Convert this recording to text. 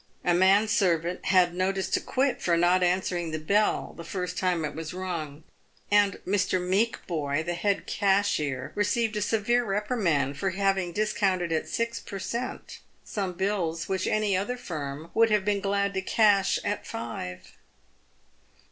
A man servant had notice to quit for not answering the bell the first time it was rung, and Mr. Meekboy, his head cashier, received a severe reprimand for having discounted at six per cent, some bills which any other firm would have been glad to cash at five.